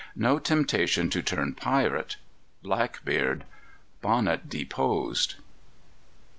No Temptation to Turn Pirate. Blackbeard. Bonnet Deposed.